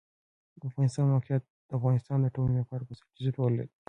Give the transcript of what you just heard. د افغانستان د موقعیت د افغانستان د ټولنې لپاره بنسټيز رول لري.